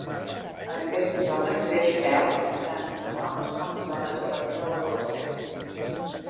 En aquesta zona creix pèl tant en homes com dones, a partir de l'adolescència.